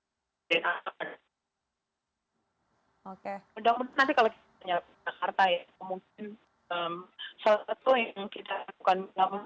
mungkin salah satu yang kita lakukan dalam perhitungan jangkaan oon